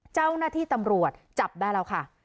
เจ้าหน้าที่ตำรวจจับได้แล้วค่ะ